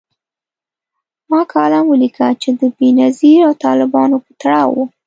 ما کالم ولیکه چي د بېنظیر او طالبانو په تړاو و